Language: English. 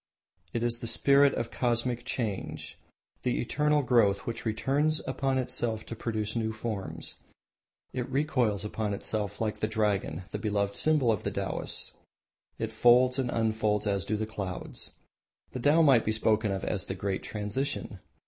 It is the spirit of Cosmic Change, the eternal growth which returns upon itself to produce new forms. It recoils upon itself like the dragon, the beloved symbol of the Taoists. It folds and unfolds as do the clouds. The Tao might be spoken of as the Great Transition.